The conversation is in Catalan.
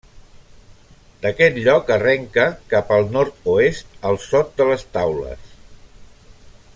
D'aquest lloc arrenca, cap al nord-oest, el Sot de les Taules.